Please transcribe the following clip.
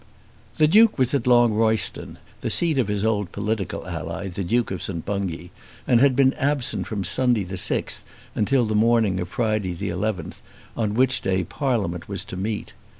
The Duke was at Longroyston, the seat of his old political ally the Duke of St. Bungay, and had been absent from Sunday the 6th till the morning of Friday the 11th, on which day Parliament was to meet.